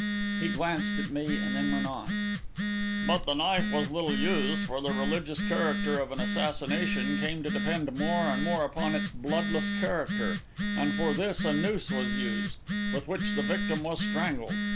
'" He glanced at me, and then went on: "'But the knife was little used, for the religious character of an assassination came to depend more and more upon its bloodless character, and for this a noose was used, with which the victim was strangled.